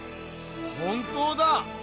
本当だ！